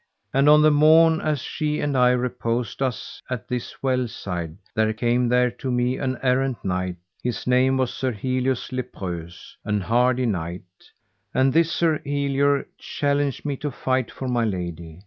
And on the morn as she and I reposed us at this well side there came there to me an errant knight, his name was Sir Helior le Preuse, an hardy knight, and this Sir Helior challenged me to fight for my lady.